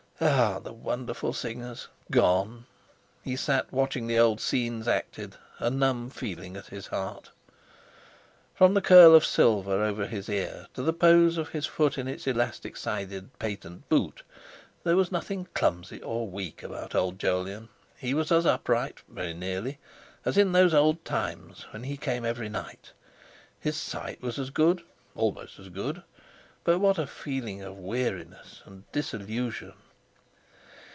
Ah! the wonderful singers! Gone! He sat watching the old scenes acted, a numb feeling at his heart. From the curl of silver over his ear to the pose of his foot in its elastic sided patent boot, there was nothing clumsy or weak about old Jolyon. He was as upright—very nearly—as in those old times when he came every night; his sight was as good—almost as good. But what a feeling of weariness and disillusion!